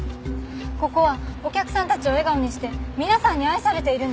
ここはお客さんたちを笑顔にして皆さんに愛されているんです。